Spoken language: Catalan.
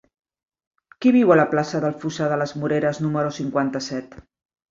Qui viu a la plaça del Fossar de les Moreres número cinquanta-set?